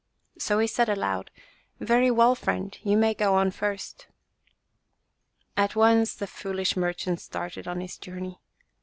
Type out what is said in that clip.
So he said aloud, "Very well, friend, you may go on first." At once the foolish merchant started on his journey.